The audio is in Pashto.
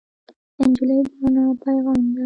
نجلۍ د رڼا پېغام ده.